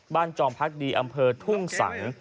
จอมพักดีอำเภอทุ่งสัง